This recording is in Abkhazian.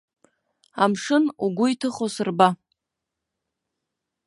Амшын, угәы иҭыхо сырба!